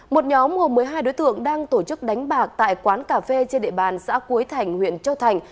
một nhóm gồm một mươi hai đối tượng đang tổ chức đánh bạc tại quán cà phê trên địa bàn xã cuối thành huyện châu thành